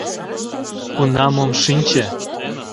— Кунам ом шинче!